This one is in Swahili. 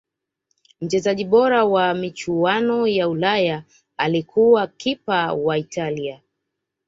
mchezaji bora wa michuano ya ulaya alikuwa kipa wa italia